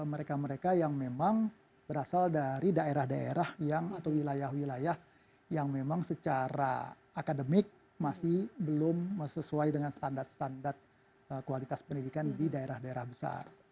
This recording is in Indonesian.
mereka mereka yang memang berasal dari daerah daerah yang atau wilayah wilayah yang memang secara akademik masih belum sesuai dengan standar standar kualitas pendidikan di daerah daerah besar